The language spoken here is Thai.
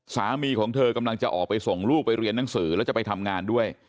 สามีของเธอกำลังจะออกไปส่งลูกไปเรียนหนังสือแล้วจะไปทำงานด้วย